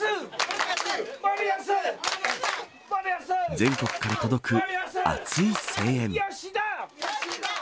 全国から届く熱い声援。